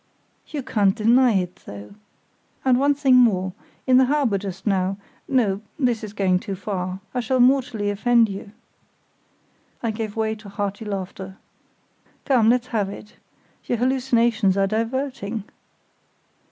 "You can't deny it, though! And one thing more; in the harbour just now—no—this is going too far; I shall mortally offend you." I gave way to hearty laughter. "Come, let's have it. Your hallucinations are diverting."